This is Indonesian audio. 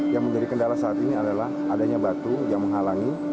yang menjadi kendala saat ini adalah adanya batu yang menghalangi